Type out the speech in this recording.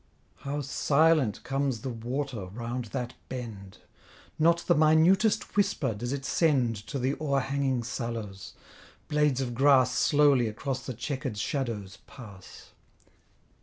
How silent comes the water round that bend; Not the minutest whisper does it send To the o'erhanging sallows: blades of grass Slowly across the chequer'd shadows pass.